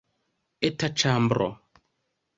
Eta ĉambro.